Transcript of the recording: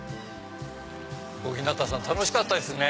小日向さん楽しかったですね。